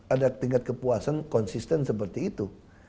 ada tingkat kepuasan konsisten seperti itu